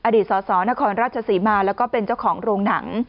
สสนครราชศรีมาแล้วก็เป็นเจ้าของโรงหนัง